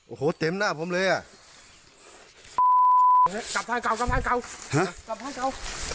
โอ้โหเต็มหน้าผมเลยอ่ะกลับพายเก่ากลับบ้านเก่าฮะกลับบ้านเก่า